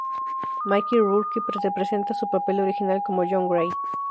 Mickey Rourke representa su papel original como John Gray.